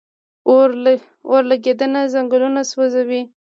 اورلګیدنه ځنګلونه سوځوي